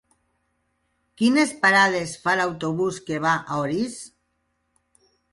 Quines parades fa l'autobús que va a Orís?